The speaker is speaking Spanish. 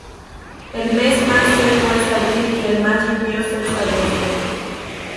El mes más seco es abril y el más lluvioso es agosto.